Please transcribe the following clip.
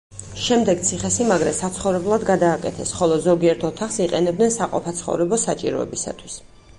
შემდეგ ციხესიმაგრე საცხოვრებლად გადააკეთეს, ხოლო ზოგიერთ ოთახს იყენებდნენ საყოფაცხოვრებო საჭიროებისათვის.